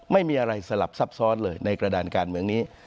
ไม่มีอะไรสลับซับซ้อนเลยในกระดานการเมืองนี้